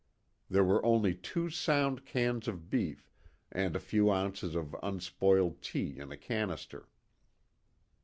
There were only two sound cans of beef, and a few ounces of unspoiled tea in a canister.